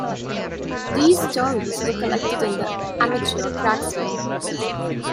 These stories were collected in The Amateur Cracksman.